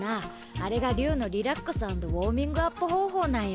あれが竜のリラックスアンドウォーミングアップ方法なんよ